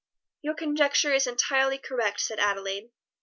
"Your conjecture is entirely correct," said Adelaide.